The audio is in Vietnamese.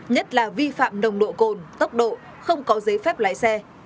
nồng độ cồn tốc độ không có giấy phép lái xe